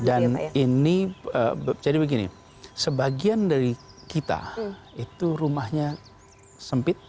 dan ini jadi begini sebagian dari kita itu rumahnya sempit